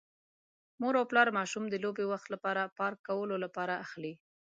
مور او پلار ماشوم د لوبې وخت لپاره پارک کولو لپاره اخلي.